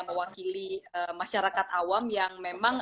mewakili masyarakat awam yang memang